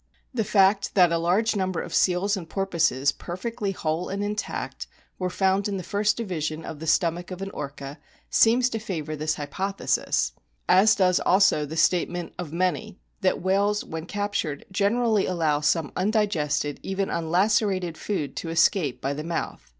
The fact that a large number of seals and porpoises, perfectly whole and intact, were found in the first division of the stomach of an Orca seems to favour this hypothesis, as does also the statement of many that whales when captured generally allow some undigested, even unlacerated, food to escape by the mouth.